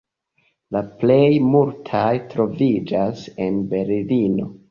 La plej multaj troviĝas en Berlino.